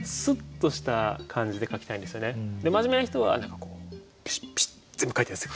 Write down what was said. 真面目な人は何かこうピシッピシッ全部書いてあるんですよ。